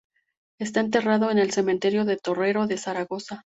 Está enterrado en el cementerio de Torrero de Zaragoza.